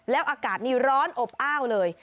แล้วอากาศนี่ร้อนอบอ้าวเลย